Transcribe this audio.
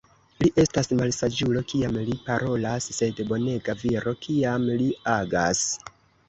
Li estas malsaĝulo, kiam li parolas, sed bonega viro, kiam li agas.